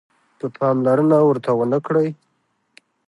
که پاملرنه ورته ونه کړئ